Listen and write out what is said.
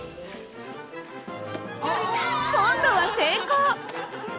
今度は成功！